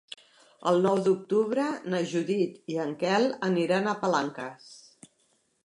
El nou d'octubre na Judit i en Quel aniran a Palanques.